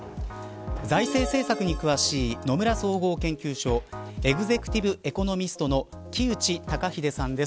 財政政策に詳しい野村総合研究所エグゼクティブ・エコノミストの木内登英さんです。